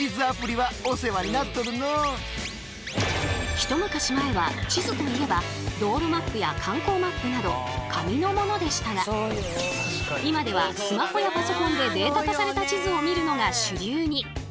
一昔前は地図といえば道路マップや観光マップなど紙のものでしたが今ではスマホやパソコンでデータ化された地図を見るのが主流に。